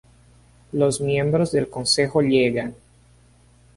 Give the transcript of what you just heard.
Los miembros del consejo llegan.